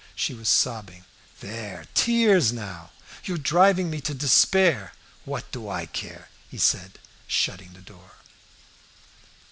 She was sobbing. "There! tears now!" "You are driving me to despair!" "What do I care?" said he, shutting the door.